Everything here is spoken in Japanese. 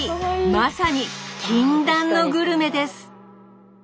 まさに禁断のグルメです！